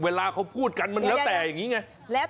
เวลาเขาพูดกันมันแล้วแต่อย่างนี้ไง